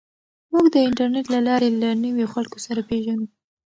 موږ د انټرنیټ له لارې له نویو خلکو سره پېژنو.